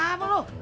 saya nunggu sih